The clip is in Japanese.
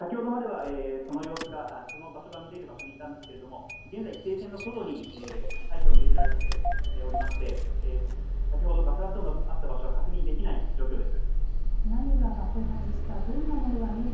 先ほどまではその場所が見れる場所にいたんですが現在、規制線の外に退避を命じられておりまして先ほど爆発音のあった場所は確認できない状況です。